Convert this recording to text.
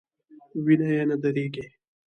وینه یې نه دریږي.